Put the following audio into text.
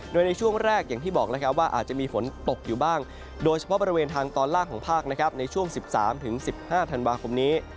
โดยในช่วงแรกอย่างที่บอกแล้วครับว่าอาจจะมีฝนตกอยู่บ้างโดยเฉพาะบริเวณทางตอนล่างของภาคนะครับในช่วง๑๓๑๕ธันวาคมนี้